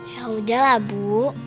ya udahlah bu